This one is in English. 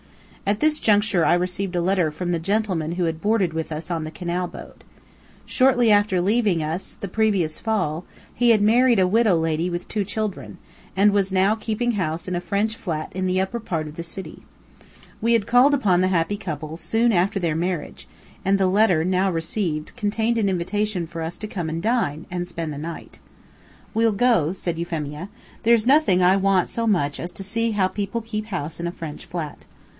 At this juncture I received a letter from the gentleman who had boarded with us on the canal boat. Shortly after leaving us the previous fall, he had married a widow lady with two children, and was now keeping house in a French flat in the upper part of the city. We had called upon the happy couple soon after their marriage, and the letter, now received, contained an invitation for us to come and dine, and spend the night. "We'll go," said Euphemia. "There's nothing I want so much as to see how people keep house in a French flat.